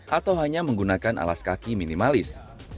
atau hanya menggunakan alas kaki minimalis